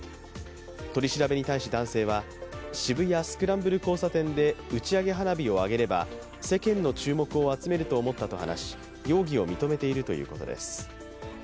取り調べに対し、男性は渋谷スクランブル交差点で打ち上げ花火を上げれば、世間の注目を集めると思ったと話し容疑を認めているということです。